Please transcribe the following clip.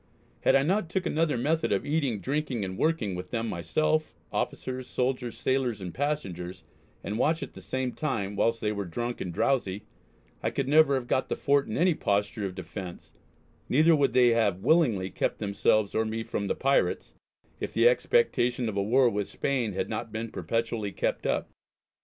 Had I not took another method of eating, drinking, and working with them myself, officers, soldiers, sailors and passengers, and watch at the same time, whilst they were drunk and drowsy, I could never have got the Fort in any posture of defence, neither would they [have] willingly kept themselves or me from the pirates, if the expectation of a war with Spain had not been perpetually kept up.